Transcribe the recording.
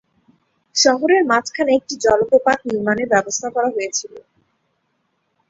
শহরের মাঝখানে একটি জলপ্রপাত নির্মাণের ব্যবস্থা করা হয়েছিল।